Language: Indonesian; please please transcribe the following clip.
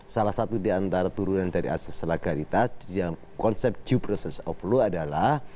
salah satu diantara turunan dari asis legalitas konsep due process of law adalah